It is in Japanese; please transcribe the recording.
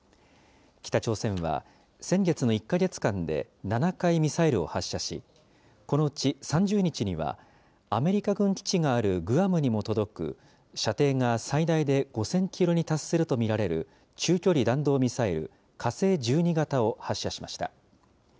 北朝鮮は先月の１か月間で、７回ミサイルを発射し、このうち３０日には、アメリカ軍基地があるグアムにも届く、射程が最大で５０００キロに達すると見られる中距離弾道ミサイル、火星１２型を発射しました。